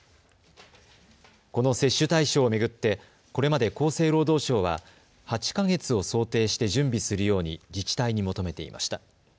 この接種対象を巡ってこれまで厚生労働省は８か月を想定して準備するように自治体に求めていました。